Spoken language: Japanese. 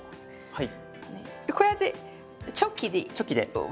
はい。